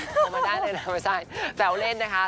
แซวไม่ได้เลยนะไม่ใช่แซวเล่นนะคะ